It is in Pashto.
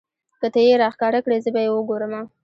که تۀ یې راښکاره کړې زه به یې وګورمه.